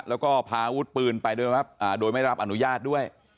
แล้วก็พาอาวุธปืนไปโดยไม่รับอนุญาตด้วย